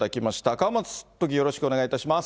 川松都議、よろしくお願いいたします。